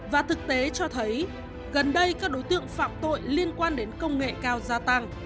và thực tế cho thấy gần đây các đối tượng phạm tội liên quan đến công nghệ cao gia tăng